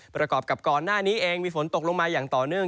ประกอบกับก่อนหน้านี้เองมีฝนตกลงมาอย่างต่อเนื่อง